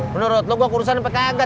menurut lu gua kurusan apa kagak